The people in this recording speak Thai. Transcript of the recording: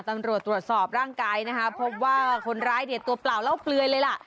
ตำรวจตรวจสอบร่างกายนะคะพบว่าคนร้ายเนี่ยตัวเปล่าเล่าเปลือยเลยล่ะ